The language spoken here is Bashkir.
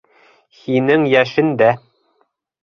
Һинең йәшендә!